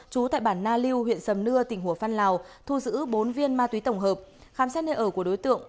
trú tại bản na lưu huyện sầm nưa tỉnh hồ phan lào thu giữ bốn viên ma túy tổng hợp khám xét nơi ở của đối tượng